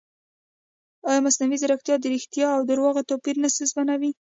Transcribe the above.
ایا مصنوعي ځیرکتیا د ریښتیا او دروغو توپیر نه ستونزمنوي؟